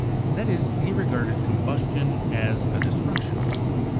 That is, he regarded combustion as a destruction.